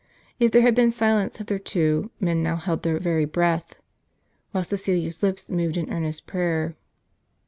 If there had been silence hitherto, men now held their very breath ; while Ctecilia's lips moved in earnest prayer.